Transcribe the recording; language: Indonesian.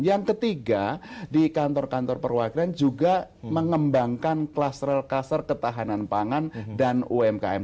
yang ketiga di kantor kantor perwakilan juga mengembangkan kluster rel kasar ketahanan pangan dan umkm